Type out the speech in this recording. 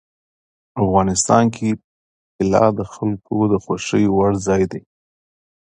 افغانستان کې طلا د خلکو د خوښې وړ ځای دی.